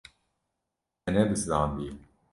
Te nebizdandiye.